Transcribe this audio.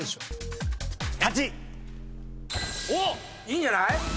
いいんじゃない？